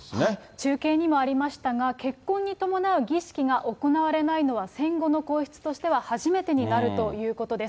中継にもありましたが、結婚に伴う儀式が行われないのは、戦後の皇室としては初めてとなるということです。